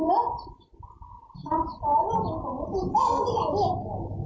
กล้องลูกคลับ